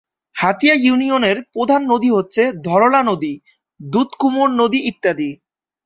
হাতিয়া ইউনিয়নের প্রধান নদী হচ্ছে ধরলা নদী, দুতকুমর নদী ইত্যাদি।